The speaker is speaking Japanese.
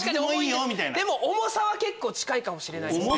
でも重さは近いかもしれないですね。